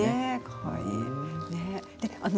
かわいい。